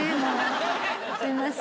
すいません。